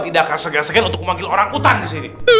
tidak akan segar segan untuk memanggil orang hutan disini